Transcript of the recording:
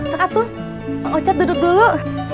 kak atuh pak ocat duduk dulu